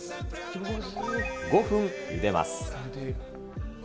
５分ゆでます。